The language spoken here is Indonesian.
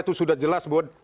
itu sudah jelas bud